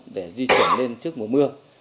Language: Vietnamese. để di chuyển lên trước mùa mưa